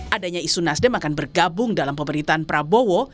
adanya isu nasdem akan bergabung dalam pemerintahan prabowo